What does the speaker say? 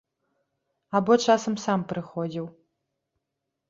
Або часам сам прыходзіў.